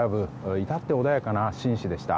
いたって穏やかな紳士でした。